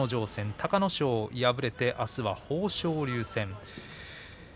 隆の勝、負けてあすは豊昇龍戦です。